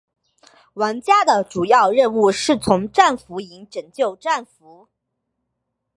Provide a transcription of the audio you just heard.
玩家的主要任务是从战俘营拯救战俘。